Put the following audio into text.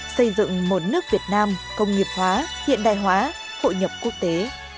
xây dựng một nước việt nam công nghiệp hóa hiện đại hóa hội nhập quốc tế